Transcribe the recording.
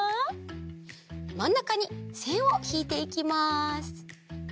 まんなかにせんをひいていきます。